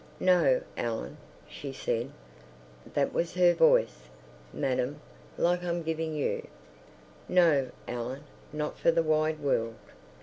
"No, Ellen," she said—that was her voice, madam, like I'm giving you—"No, Ellen, not for the wide world!"